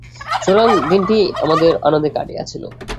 সুতরাং দিনটি আমাদের আনন্দে কাটিয়াছিল।